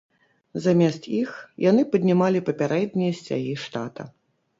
Замест іх яны паднімалі папярэднія сцягі штата.